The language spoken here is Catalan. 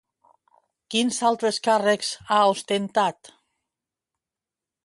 Quins altres càrrecs ha ostentat?